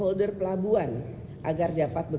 langsung membeli air operasi fisherman